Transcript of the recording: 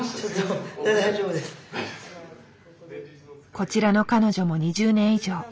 こちらの彼女も２０年以上。